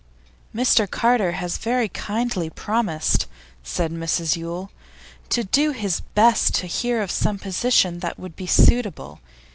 'Mr Carter has very kindly promised,' said Mrs Yule, 'to do his best to hear of some position that would be suitable.